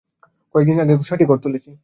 কয়েক দিন আগে ছয়টি ঘর তুলেছি।